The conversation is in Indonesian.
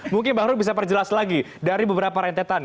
mungkin bang ruth bisa perjelas lagi dari beberapa rentetan